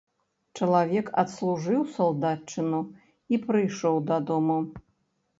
Чалавек адслужыў салдатчыну і прыйшоў дадому.